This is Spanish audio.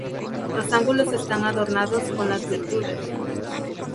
Los ángulos están adornados con las virtudes.